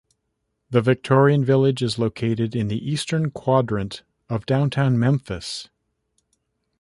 The Victorian Village is located in the eastern quadrant of downtown Memphis.